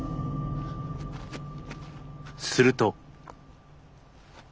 すると。